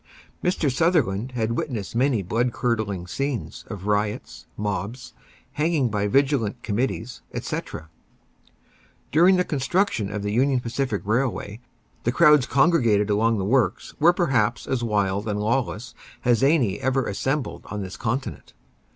Mr. Sutherland has witnessed many blood curdling scenes of riots, mobs, hanging by vigilant committees, etc. During the construction of the Union Pacific Railway, the crowds congregated along the works were perhaps as wild and lawless as any ever assembled on this continent.